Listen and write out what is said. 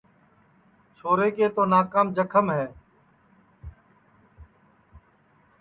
چھورے کُے تُونام جکھم ہے